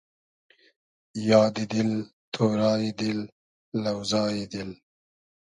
یادی دېل، تۉرای دیل، لۆزای دیل